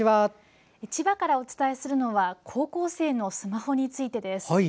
千葉からお伝えするのは高校生のスマホについてです。